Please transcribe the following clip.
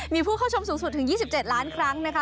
มีผู้เข้าชมสูงสุดถึง๒๗ล้านครั้งนะคะ